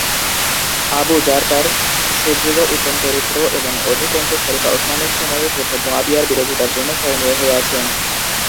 আবু যার তার সুদৃঢ় উত্তম চরিত্র এবং অধিকন্তু খলিফা উসমানের সময়ে প্রথম মুয়াবিয়ার বিরোধিতার জন্য স্মরণীয় হয়ে আছেন।